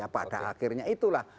pada akhirnya itulah